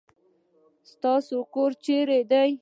ستا کور چيري دی.